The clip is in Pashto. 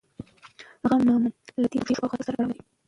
غم معمولاً له تېرو پېښو او خاطرو سره تړاو لري.